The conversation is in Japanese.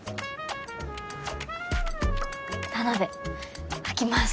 田辺吐きます。